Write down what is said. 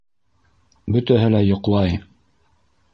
Бөтәһе лә йоҡлай.